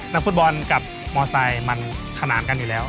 นักฟุตบอลกับมอไซค์มันขนานกันอยู่แล้ว